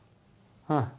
ああ